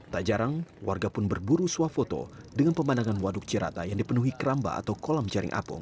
tak jarang warga pun berburu suafoto dengan pemandangan waduk cirata yang dipenuhi keramba atau kolam jaring apung